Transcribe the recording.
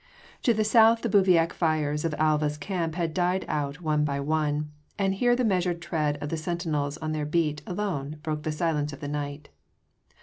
To the south the bivouac fires of Alva’s camp had died out one by one, and here the measured tread of the sentinels on their beat alone broke the silence of the night.